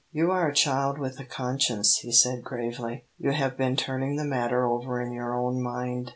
"You are a child with a conscience," he said, gravely; "you have been turning the matter over in your own mind.